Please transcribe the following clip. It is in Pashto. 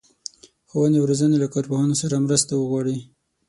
ښوونې او روزنې له کارپوهانو مرسته وغواړي.